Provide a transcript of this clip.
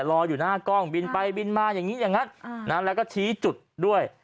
รออยู่หน้ากล้องบินไปบินมาอย่างนี้อย่างนั้นแล้วก็ชี้จุดด้วย